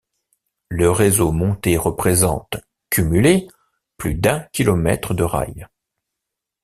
Le réseau monté représente, cumulé, plus d'un kilomètre de rails.